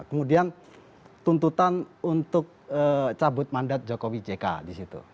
kemudian tuntutan untuk cabut mandat jokowi jk di situ